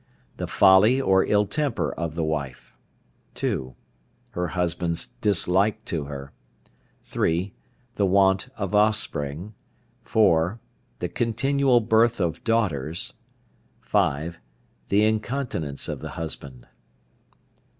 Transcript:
The folly or ill temper of the wife. (2). Her husband's dislike to her. (3). The want of offspring. (4). The continual birth of daughters. (5). The incontinence of the husband.